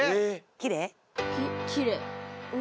きれい！